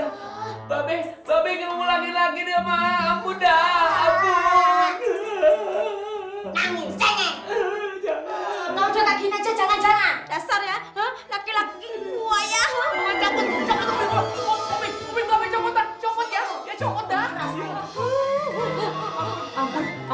apaan gak mau ulangi lagi opan ampun opan ampun berapa kali ha